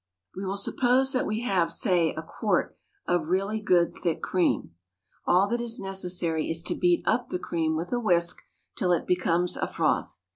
We will suppose that we have, say, a quart of really good thick cream. All that is necessary is to beat up the cream with a whisk till it becomes a froth.